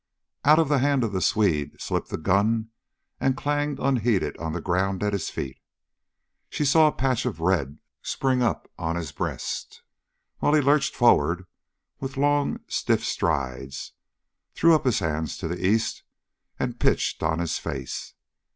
Out of the hand of the Swede slipped the gun and clanged unheeded on the ground at his feet. She saw a patch of red spring up on his breast, while he lurched forward with long, stiff strides, threw up his hands to the east, and pitched on his face.